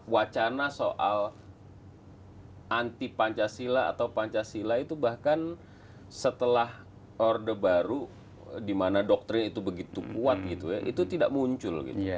wacana soal anti pancasila atau pancasila itu bahkan setelah orde baru di mana doktrin itu begitu kuat gitu ya itu tidak muncul